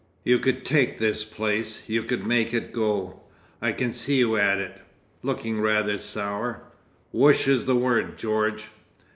You could take this place, you could make it go! I can see you at it—looking rather sour. Woosh is the word, George."